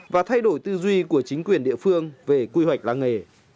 và thay đổi tư duy của chính quyền địa phương về quy hoạch làng nghề